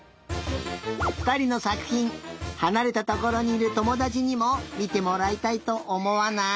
ふたりのさくひんはなれたところにいるともだちにもみてもらいたいとおもわない？